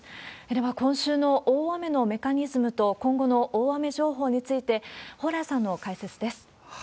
では、今週の大雨のメカニズムと、今後の大雨情報について、蓬莱さんの解説です。